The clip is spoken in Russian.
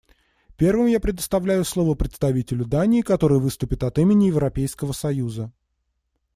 Первым я предоставляю слово представителю Дании, который выступит от имени Европейского союза.